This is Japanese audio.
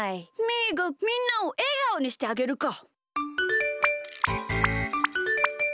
みーがみんなをえがおにしてあげるか！